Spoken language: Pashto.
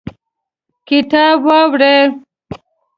کتاب واوړوئ